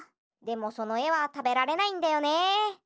でもそのえはたべられないんだよね。